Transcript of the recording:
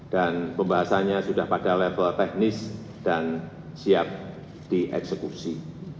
dan pembahasannya sudah pada level teknis dan siap dieksekusi